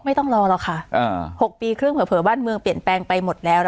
ไม่ต้องรอหรอกค่ะ๖ปีครึ่งเผลอบ้านเมืองเปลี่ยนแปลงไปหมดแล้วนะคะ